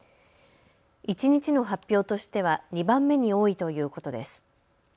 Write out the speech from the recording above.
一日の発表としては２番目に多いということです。